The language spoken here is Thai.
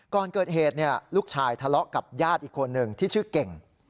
ก่อนเกิดเหตุลูกชายทะเลาะกับญาติอีกคนหนึ่งที่ชื่อเก่ง